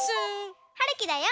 はるきだよ。